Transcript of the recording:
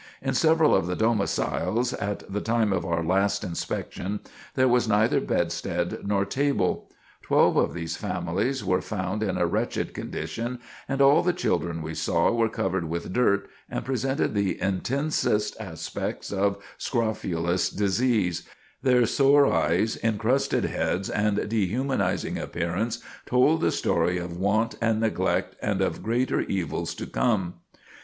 In several of the domiciles, at the time of our last inspection, there was neither bedstead nor table. Twelve of these families were found in a wretched condition, and all the children we saw were covered with dirt, and presented the intensest aspects of scrofulous disease; their sore eyes, encrusted heads, and dehumanizing appearance, told the story of want and neglect, and of greater evils to come.